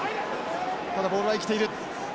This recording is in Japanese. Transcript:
ただボールは生きている。